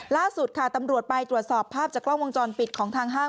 ล่าสุดค่ะตำรวจไปตรวจสอบภาพจากกล้องวงจรปิดของทางห้าง